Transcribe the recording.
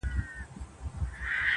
له ډيره وخته مو لېږلي دي خوبو ته زړونه.